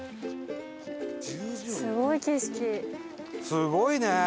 すごいね！